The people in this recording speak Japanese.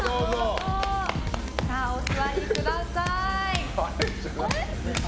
お座りください。